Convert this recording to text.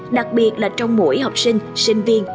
đặc biệt là trong mỗi học sinh sinh viên